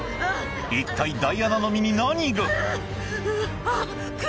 一体ダイアナの身に何が？